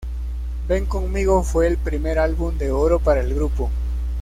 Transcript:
Ven Conmigo fue el primer álbum de oro para el grupo.